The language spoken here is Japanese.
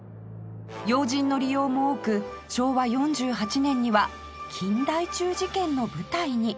要人の利用も多く昭和４８年には金大中事件の舞台に